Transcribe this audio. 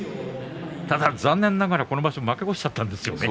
残念ながらこの場所は負け越してしまったんですよね。